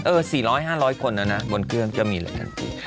เออ๔๐๐๕๐๐คนแล้วนะบนเครื่องบิน